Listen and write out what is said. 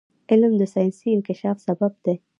علم د ساینسي انکشاف سبب دی.